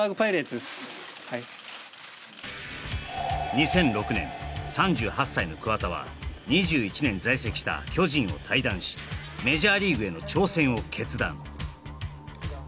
２００６年３８歳の桑田は２１年在籍した巨人を退団しメジャーリーグへの挑戦を決断